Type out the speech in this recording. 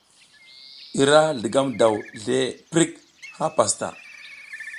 I ra zligam daw zle prik ha pastaʼa.